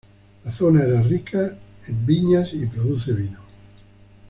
La zona es rica en viñas y produce vino.